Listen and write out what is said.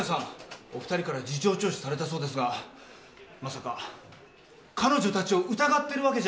お二人から事情聴取されたそうですがまさか彼女たちを疑ってるわけじゃありませんよね？